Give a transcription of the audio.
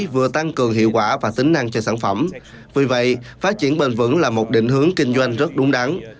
vừa tăng cường hiệu quả và tính năng cho sản phẩm vì vậy phát triển bền vững là một định hướng kinh doanh rất đúng đắn